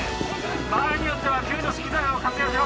場合によっては救助資機材を活用しろ！